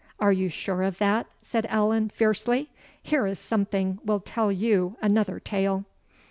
'Are you sure of that?' said Allan, fiercely; 'here is something will tell you another tale.